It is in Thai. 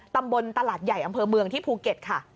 ตำบลตลาดใหญ่อำเภอเมืองที่ภูเก็ตค่ะ